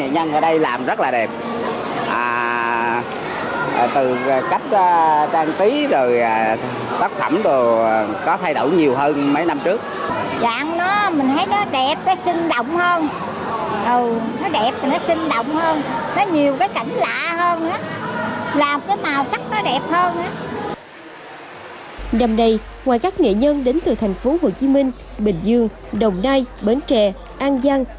năm nay ngoài các nghệ nhân đến từ tp hcm bình dương đồng nai bến trè an giang